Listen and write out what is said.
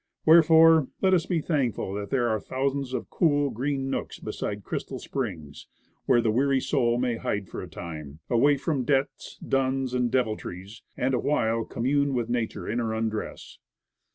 Wherefore, let us be thankful that there are still thousands of cool, green nooks beside crystal springs, where the weary soul may hide for a time, away from debts, duns and deviltries, and a while commune with nature in her undress.